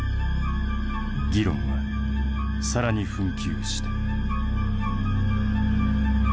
議論は更に紛糾した。